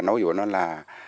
nói dù nó là hai trăm linh